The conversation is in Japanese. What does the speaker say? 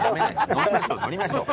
乗りましょう乗りましょう。